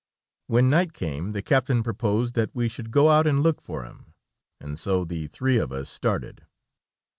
When night came, the captain proposed that we should go out and look for him, and so the three of us started.